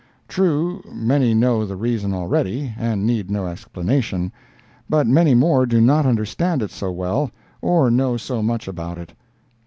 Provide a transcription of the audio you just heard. True, many know the reason already, and need no explanation, but many more do not understand it so well or know so much about it.